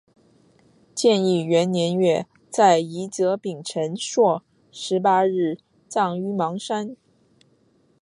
建义元年月在夷则丙辰朔十八日葬于邙山。